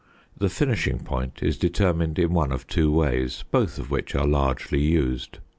The finishing point is determined in one of two ways, both of which are largely used.